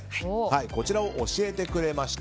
こちらを教えてくれました。